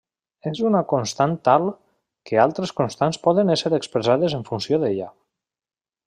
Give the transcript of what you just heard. És una constant tal, que altres constants poden ésser expressades en funció d’ella.